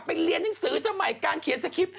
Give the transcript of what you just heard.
เรียนหนังสือสมัยการเขียนสคริปต